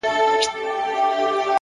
مثبت چلند زړونه سره نږدې کوي.!